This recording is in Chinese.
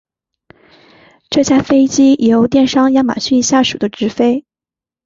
这架飞机由电商亚马逊下属的执飞。